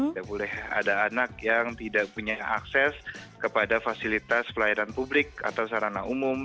tidak boleh ada anak yang tidak punya akses kepada fasilitas pelayanan publik atau sarana umum